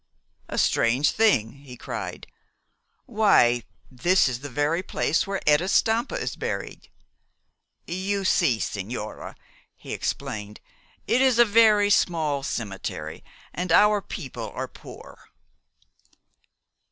"A strange thing!" he cried. "Why, that is the very place where Etta Stampa is buried. You see, sigñora," he explained, "it is a small cemetery, and our people are poor."